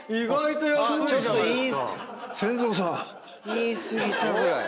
言い過ぎたぐらい。